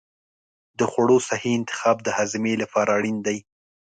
د خوړو صحي انتخاب د هاضمې لپاره اړین دی.